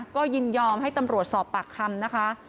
ก็ยินยอมให้ตำรวจสอบปากคำนะคะ